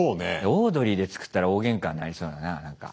オードリーで作ったら大げんかになりそうだな何か。